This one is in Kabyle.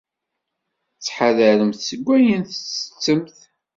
Ttḥadaremt seg wayen tettettemt.